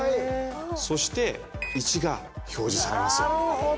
そして１が表示されます